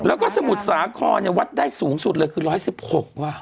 แล้วก็สมุทรสาครเนี่ยวัดได้สูงสุดเลยคือ๑๑๖ว่ะ